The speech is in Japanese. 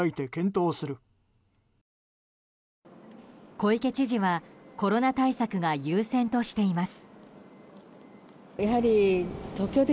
小池知事はコロナ対策が優先としています。